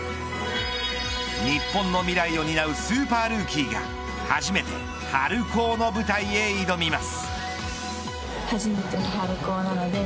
日本の未来を担うスーパールーキーが初めて春高の舞台へ挑みます。